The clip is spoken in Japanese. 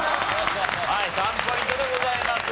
はい３ポイントでございます。